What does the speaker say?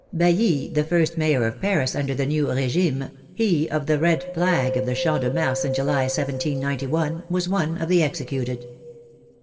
Bailly, the first mayor of Paris under the new regime, he of the red flag of the Champ de Mars, in July, 1791, was one of the executed.